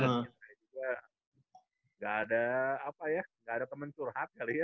dan saya juga nggak ada apa ya nggak ada temen curhat kali ya